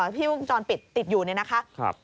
พี่วงจรติดอยู่นี่นะคะ